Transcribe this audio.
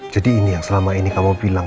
jadi ini yang selama ini kamu bilang